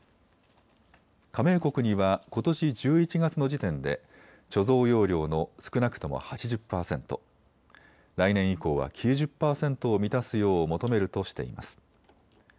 加盟国にはことし１１月の時点で貯蔵容量の少なくとも８０％、来年以降は９０％を満たすよう求めるとしています。